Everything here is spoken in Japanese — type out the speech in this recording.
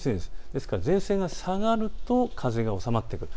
ですから前線が下がると風が収まってくる。